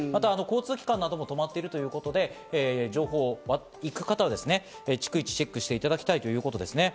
交通機関なども止まってるということで、行かれる方は逐一、情報をチェックしていただきたいと思います。